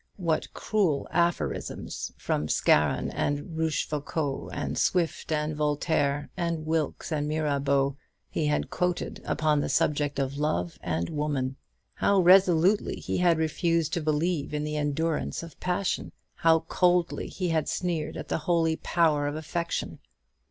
What cruel aphorisms from Scarron and Rochefoucauld, and Swift and Voltaire, and Wilkes and Mirabeau, he had quoted upon the subject of love and woman! How resolutely he had refused to believe in the endurance of passion! how coldly he had sneered at the holy power of affection!